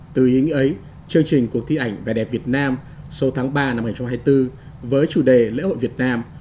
từ ý nghĩa ấy chương trình cuộc thi ảnh vẻ đẹp việt nam số tháng ba năm hai nghìn hai mươi bốn với chủ đề lễ hội việt nam